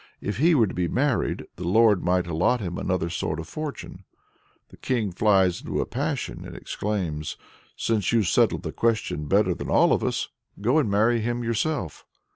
If he were to be married, the Lord might allot him another sort of Fortune." The king flies into a passion and exclaims: "Since you've settled the question better than all of us, go and marry him yourself!"